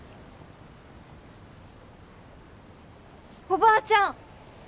おばあちゃん！